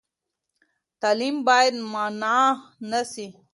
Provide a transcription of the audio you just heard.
تعلیم باید منع نه سي.